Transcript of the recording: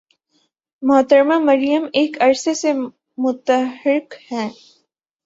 محترمہ مریم ایک عرصہ سے متحرک ہیں۔